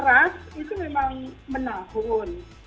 ras itu memang menahun